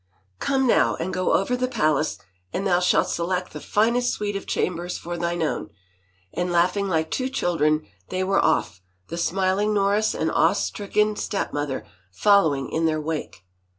" Come now and go over the palace and thou shalt select the finest suite of chambers for thine own," and laughing like two children they were oflF, the smiling Norris and awe stricken stepmother following in their wake.